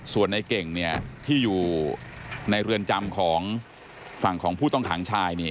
ส่วนในเก่งที่อยู่ในเรือนจำของฝั่งของผู้ต้องขังชาย